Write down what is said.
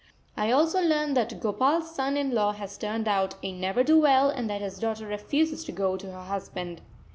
I also learn that Gopal's son in law has turned out a ne'er do well, and that his daughter refuses to go to her husband.